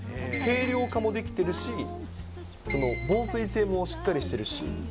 軽量化もできてるし、防水性もしっかりしてるし。